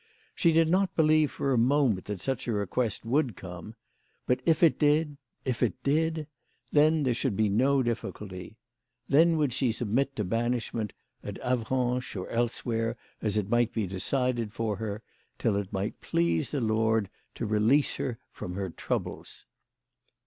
She did not believe for a moment that such a request would come ; but, if it did, if it did, then there should be no difficulty. Then would she submit to banishment, at Avranches or elsewhere as it might be decided for her, till it might please the Lord to release her from her troubles.